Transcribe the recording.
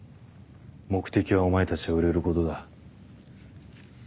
目的はお前たちが売れることだ。